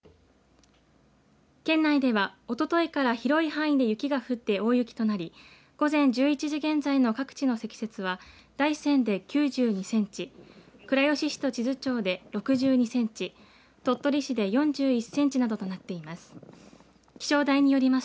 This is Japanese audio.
県内では、おとといから広い範囲で雪が降って大雪となり午前１１時現在の各地の積雪は大山で９２センチ倉吉市と智頭町で６２センチ鳥取市で４１センチなどとなっています。